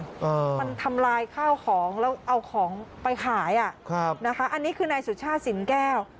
เออมันทำลายข้าวของแล้วเอาของไปขายอ่ะครับนะคะอันนี้คือนายสุชาติสินแก้ว